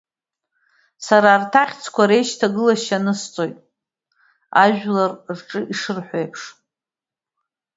Сара арҭ ахьӡқәа реишьҭагылашьа анысҵоит ажәлар рҿы ишырҳәо аиԥш.